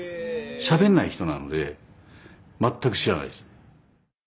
しゃべんない人なので全く知らないです。